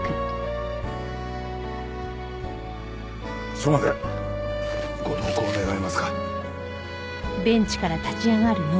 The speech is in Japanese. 署までご同行願えますか。